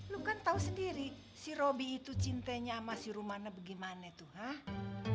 lo kan tahu sendiri si robi itu cintanya sama si rumana gimana tuh hah